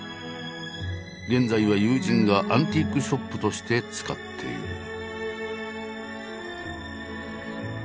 現在は友人がアンティークショップとして使っている。